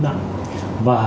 hành vi này